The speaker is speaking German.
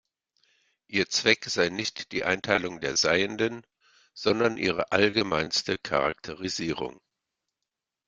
Ihr Zweck sei nicht die Einteilung der Seienden, sondern ihre „allgemeinste Charakterisierung“.